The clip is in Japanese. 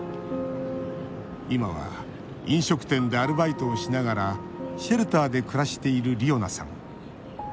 今は飲食店でアルバイトをしながらシェルターで暮らしているりおなさん。